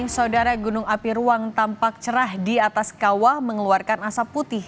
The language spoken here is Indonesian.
saudara gunung api ruang tampak cerah di atas kawah mengeluarkan asap putih